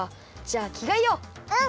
じゃあきがえよう。